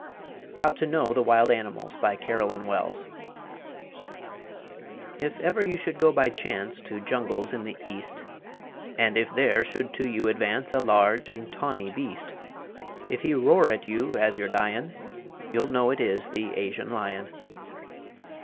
HOW TO KNOW THE WILD ANIMALS BY CAROLYN WELLS If ever you should go by chance To jungles in the East, And if there should to you advance A large and tawny beast If he roar at you as you're dyin', You'll know it is the Asian Lion.